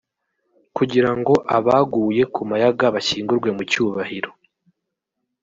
kugira ngo abaguye ku Mayaga bashyingurwe mu cyubahiro